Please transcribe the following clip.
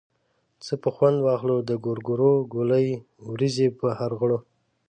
څه به خوند واخلو د ګورګورو ګولۍ ورېږي په هر غرو.